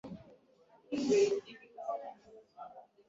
akaanza jukumu lake la kuwaapisha wabunge wateule